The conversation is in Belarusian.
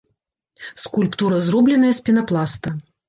Скульптура зробленая з пенапласта.